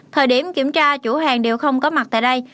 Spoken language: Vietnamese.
thời điểm kiểm tra chủ hàng đều không có mặt tại đây